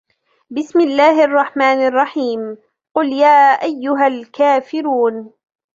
بسم الله الرحمن الرحيم قل يا أيها الكافرون